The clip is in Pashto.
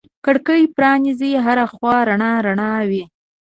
کړکۍ پرانیزې هر خوا رڼا رڼا وي